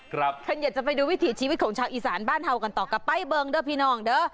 ใครอยากจะไปดูวิถีชีวิตของชาวอีสานบ้านเทากันต่อกับป้ายเบิงเด้อพี่น้องเด้อ